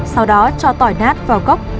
sau đó cho tỏi nát vào gốc